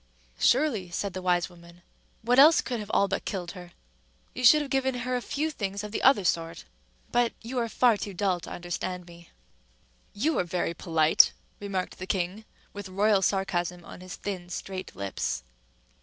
"Surely," said the wise woman: "what else could have all but killed her? You should have given her a few things of the other sort. But you are far too dull to understand me." "You are very polite," remarked the king, with royal sarcasm on his thin, straight lips.